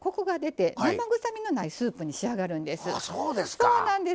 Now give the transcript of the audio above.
そうなんです。